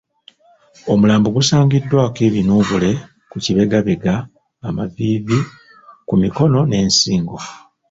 Omulambo gusaangiddwako ebinuubule ku kibegabega, amaviivi, ku mikono n'ensingo.